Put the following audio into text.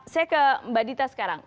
saya ke mbak dita sekarang